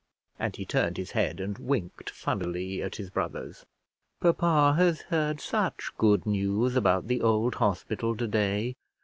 and he turned his head and winked funnily at his brothers. "Papa has heard such good news about the old hospital to day.